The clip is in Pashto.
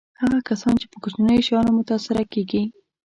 هغه کسان چې په کوچنیو شیانو متأثره کېږي.